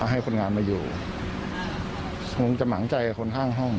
ให้คนงานมาอยู่คงจะหังใจกับคนข้างห้อง